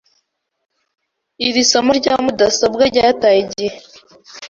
Iri somo rya mudasobwa ryataye igihe.